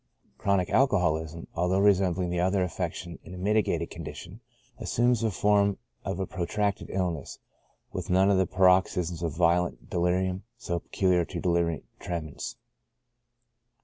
Chronic alcoholism, although resembling the other affection in a mitigated condition, assumes the form of a protracted illness, with none of the paroxysms of vio lent deUrium so peculiar to delirium tremens.